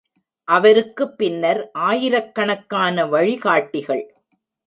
அவருக்குப் பின்னர் ஆயிரக்கணக்கான வழிகாட்டிகள்!